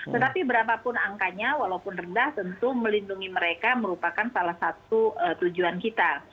tetapi berapapun angkanya walaupun rendah tentu melindungi mereka merupakan salah satu tujuan kita